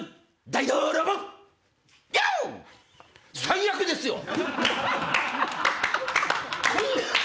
最悪ですよ！